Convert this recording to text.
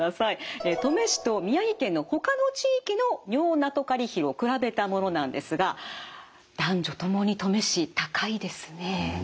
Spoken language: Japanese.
登米市と宮城県のほかの地域の尿ナトカリ比を比べたものなんですが男女ともに登米市高いですね。